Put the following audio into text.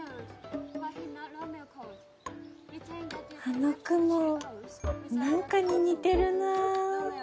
あの雲なんかに似てるなぁ。